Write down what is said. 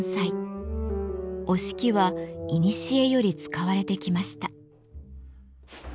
折敷はいにしえより使われてきました。